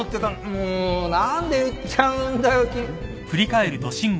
もう何で言っちゃうんだよ。